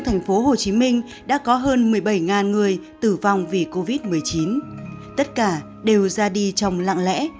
thành phố hồ chí minh đã có hơn một mươi bảy người tử vong vì covid một mươi chín tất cả đều ra đi trong lặng lẽ